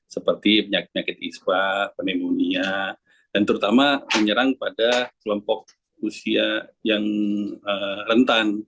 seperti penyakit penyakit ispa pneumonia dan terutama menyerang pada kelompok usia yang rentan